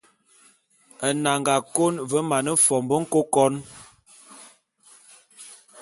Nnanga kôn ve mane fombô nkôkon.